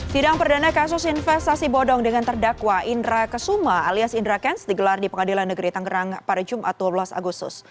sidang perdana kasus investasi bodong dengan terdakwa indra kesuma alias indra kents digelar di pengadilan negeri tangerang pada jumat dua belas agustus